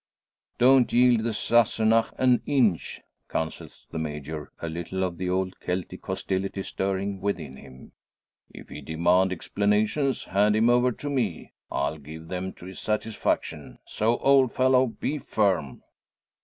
"Don't yield the Sassenach an inch?" counsels the Major, a little of the old Celtic hostility stirring within him. "If he demand explanations, hand him over to me. I'll give them to his satisfaction. So, old fellow, be firm!"